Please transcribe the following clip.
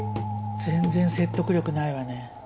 全然説得力ないわね。